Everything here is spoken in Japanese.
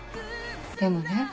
でもね